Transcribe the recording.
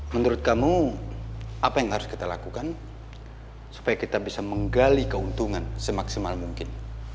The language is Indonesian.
menurut kamu apa yang harus kita lakukan supaya kita bisa menggali keuntungan semaksimal mungkin